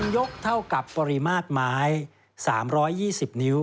ยกเท่ากับปริมาตรไม้๓๒๐นิ้ว